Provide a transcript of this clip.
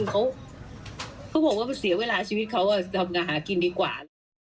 เขาบอกว่าเสียเวลาชีวิตเขาทำมาหากินดีกว่า